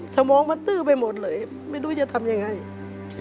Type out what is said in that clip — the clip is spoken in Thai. สมองมันตื้อไปหมดเลยไม่รู้จะทำยังไงอืม